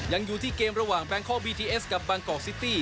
ยังอยู่ที่เกมระหว่างแบงคอกบีทีเอสกับบางกอกซิตี้